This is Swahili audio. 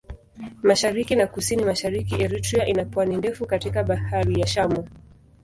Mashariki na Kusini-Mashariki Eritrea ina pwani ndefu katika Bahari ya Shamu.